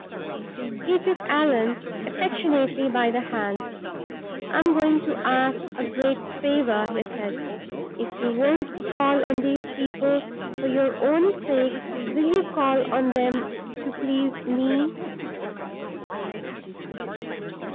He took Allan affectionately by the hand. "I am going to ask a great favor," he said. "If you won't call on these people for your own sake, will you call on them to please me?"